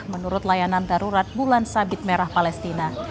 menurut layanan darurat bulan sabit merah palestina